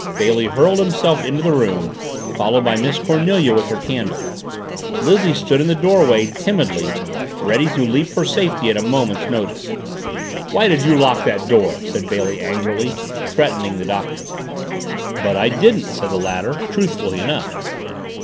Bailey hurled himself into the room, followed by Miss Cornelia with her candle. Lizzie stood in the doorway, timidly, ready to leap for safety at a moment's notice. "Why did you lock that door?" said Bailey angrily, threatening the Doctor. "But I didn't," said the latter, truthfully enough.